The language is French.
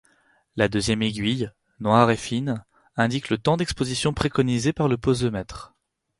La deuxième aiguille, noire et fine, indique le temps d'exposition préconisé par le posemètre.